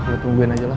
lo tungguin aja lah